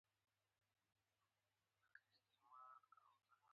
آیا د انرژۍ پروژې جنجالي نه دي؟